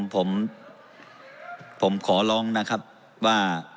ผมขอร้องนะครับว่า